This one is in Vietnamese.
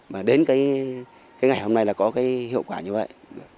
mà đến cái ngày hôm nay là có cái hiệu quả như vậy